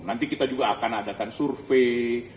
nanti kita juga akan adakan survei